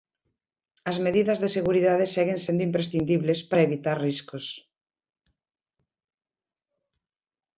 As medidas de seguridade seguen sendo imprescindibles para evitar riscos.